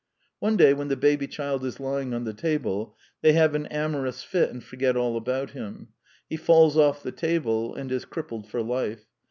One day, when the baby child is lying on the table, they have an amorous fit and forget all about him. He falls off the table and is crippled for life.